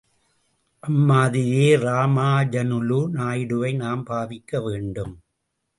அம் மாதிரியே ராமாநுஜலு நாயுடுவை நாம் பாவிக்க வேண்டும்.